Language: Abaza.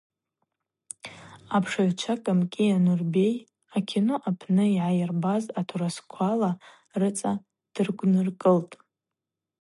Апшыгӏвчва Кӏамкӏиа Нурбей акино апны йгӏайырбаз атурасквала рыцӏа дыргвныркӏылтӏ.